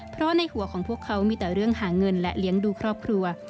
เพราะในหัวของพวกเขามีแต่เรื่องหาเงินและเลี้ยงดูครอบครัว